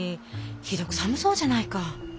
ひどく寒そうじゃないか。